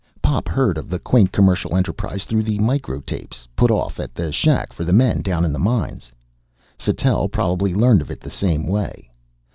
Pop heard of the quaint commercial enterprise through the micro tapes put off at the shack for the men down in the mine. Sattell probably learned of it the same way.